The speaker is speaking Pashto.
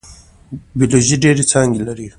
بیولوژي ډیرې څانګې لري